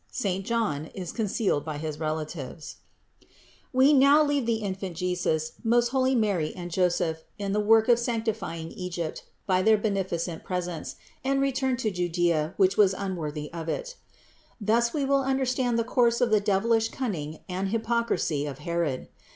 SAINT JOHN IS CON CEALED BY HIS RELATIVES. 672. We will now leave the Infant Jesus, most holy Mary and Joseph in the work of sanctifying Egypt by their beneficent presence, and return to Judea, which was unworthy of it. Thus we will understand the course of the devilish cunning and hypocrisy of Herod.